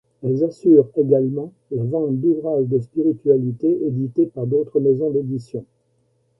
Elles assurent également la vente d'ouvrage de spiritualité édités par d'autres maisons d'édition.